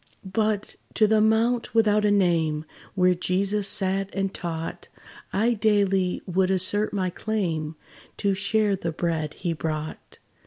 But, to the mount without a name, Where Jesus sat and taught, I daily would assert my claim, To share the bread he brought.